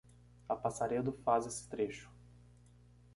A Passaredo faz esse trecho.